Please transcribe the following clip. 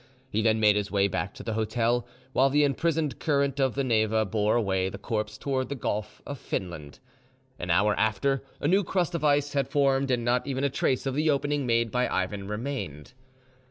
He then made his way back to the hotel, while the imprisoned current of the Neva bore away the corpse towards the Gulf of Finland. An hour after, a new crust of ice had formed, and not even a trace of the opening made by Ivan remained.